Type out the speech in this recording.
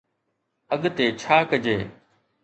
اڳتي ڇا ڪجي؟